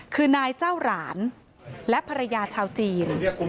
คือนายเจ้าหลานและภรรยาชาวจีน